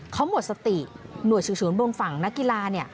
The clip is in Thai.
เขาหมดสติหน่วยเฉียวชนบนฝั่งนักกีฬาเนี่ย